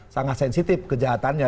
sangat sensitif kejahatannya